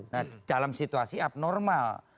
nah dalam situasi abnormal